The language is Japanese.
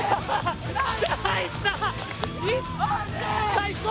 最高！